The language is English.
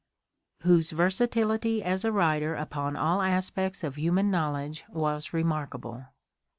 whose versatility as a writer upon all aspects of human knowledge was remarkable.